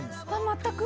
全く。